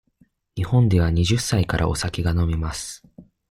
日本では二十歳からお酒が飲めます。